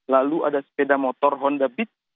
lalu ada sepeda motor honda beat